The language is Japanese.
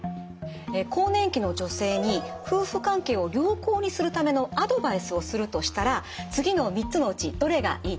更年期の女性に夫婦関係を良好にするためのアドバイスをするとしたら次の３つのうちどれがいいと思いますか？